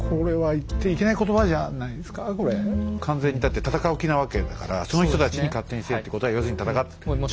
完全にだって戦う気なわけだからその人たちに勝手にせえって言うことは要するに戦っていいよと。